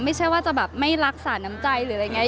ไม่ใช่ว่าจะแบบไม่รักษาน้ำใจหรืออะไรอย่างนี้